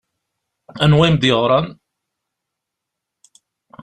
Anwa i m-d-yeɣṛan?